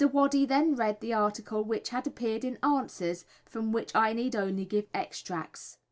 Waddy then read the article which had appeared in "Answers," from which I need only give extracts.